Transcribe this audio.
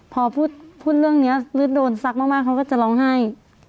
พอพูดเรื่องนี้หรือโดนซักมากเขาก็จะร้องไห้